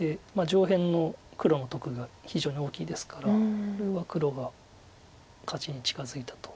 上辺の黒の得が非常に大きいですからこれは黒が勝ちに近づいたと。